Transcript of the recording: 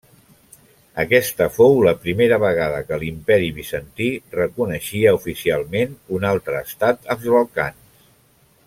Aquesta fou la primera vegada que l'Imperi bizantí reconeixia oficialment un altre estat als Balcans.